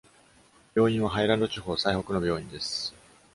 病院はハイランド地方最北の病院です。